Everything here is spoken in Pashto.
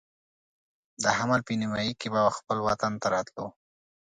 د حمل په نیمایي کې به خپل وطن ته راتلو.